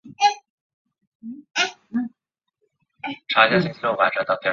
背靠背连接是指将输出设备与相似或相关的输入设备进行直接连接。